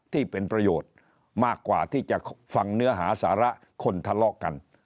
ที่เป็นประโยชน์มากกว่าที่จะฟังเนื้อหาสาระคนทะเลาะกัน